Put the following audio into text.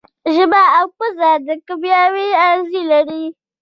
ژبه او پزه کیمیاوي آخذې لري.